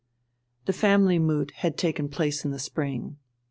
The family moot had taken place in spring.